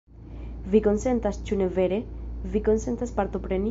Vi konsentas, ĉu ne vere? Vi konsentas partopreni?